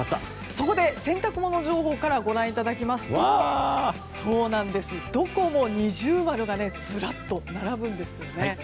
そこで、洗濯物情報からご覧いただきますとどこも二重丸がずらっと並ぶんですよね。